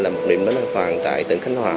chúng tôi là một điểm đáng toàn tại tỉnh khánh hòa